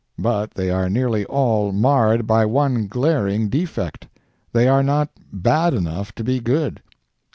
But they are nearly all marred by one glaring defect—they are not bad enough to be good.